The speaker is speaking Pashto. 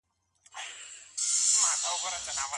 د الله تعالی نافرماني په کومو کارونو کي ده؟